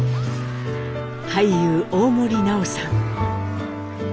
俳優大森南朋さん。